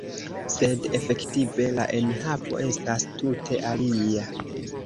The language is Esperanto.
Sed efektive la enhavo estas tute alia.